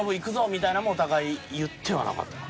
みたいのもお互い言ってはなかったかな。